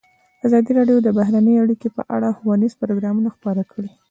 ازادي راډیو د بهرنۍ اړیکې په اړه ښوونیز پروګرامونه خپاره کړي.